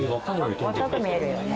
若く見えるよね。